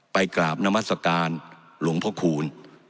ไปกราบนามัศกาลหลวงพระคูณ